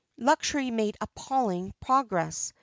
Luxury made appalling progress.